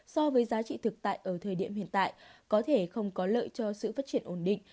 so với giá trị thực tại ở thời điểm hiện tại có thể không có lợi cho sự phát triển ổn định